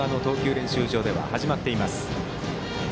練習場では始まっています。